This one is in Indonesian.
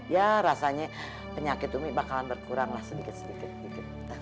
ya rasanya penyakit umi bakalan berkurang lah sedikit sedikit